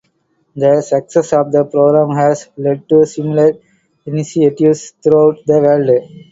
The success of the program has led to similar initiatives throughout the world.